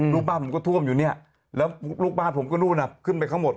ลูกบ้านผมก็ท่วมอยู่เนี่ยแล้วลูกบ้านผมก็นู่นน่ะขึ้นไปข้างหมด